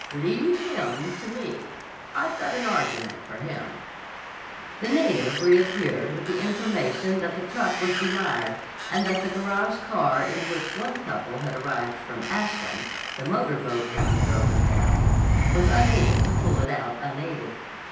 "Leave him to me. I've got an argument for him." The native reappeared with the information that the truck was bemired and that the garage car in which one couple had arrived from Ashland (the motor boat having broken down) was unable to pull it out unaided.